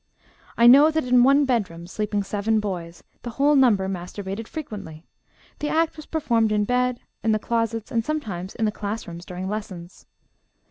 I know that in one bedroom, sleeping seven boys, the whole number masturbated frequently. The act was performed in bed, in the closets, and sometimes in the classrooms during lessons.